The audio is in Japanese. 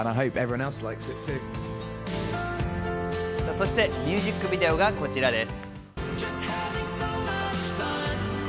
そして、ミュージックビデオがこちらです。